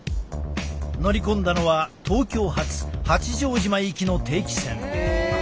乗り込んだのは東京発八丈島行きの定期船。